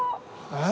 えっ？